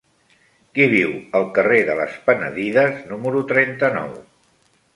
Qui viu al carrer de les Penedides número trenta-nou?